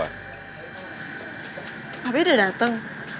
papi udah dateng